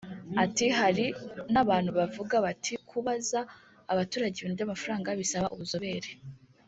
Ati “Hari n’abantu bavuga bati kubaza abaturage ibintu by’amafaranga bisaba ubuzobere